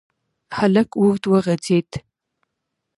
هلک اوږد وغځېد.